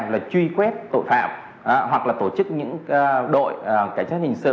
là truy quét tội phạm hoặc là tổ chức những đội cảnh sát hình sự